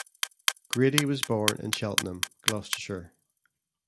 Grady was born in Cheltenham, Gloucestershire.